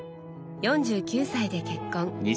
４９歳で結婚。